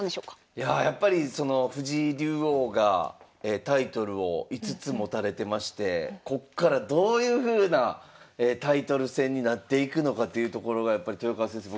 いややっぱり藤井竜王がタイトルを５つ持たれてましてこっからどういうふうなタイトル戦になっていくのかというところがやっぱり豊川先生